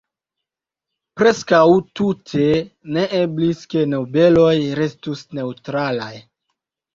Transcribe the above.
Preskaŭ tute ne eblis ke nobeloj restus neŭtralaj.